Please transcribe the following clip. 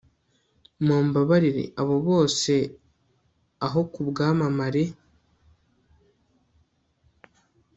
Mumbabarire abo bose aho kubwamamare